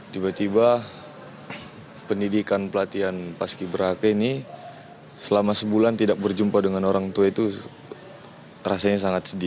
tiba tiba pendidikan pelatihan paski beraka ini selama sebulan tidak berjumpa dengan orang tua itu rasanya sangat sedih